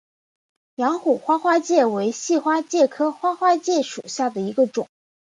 阳虎花花介为细花介科花花介属下的一个种。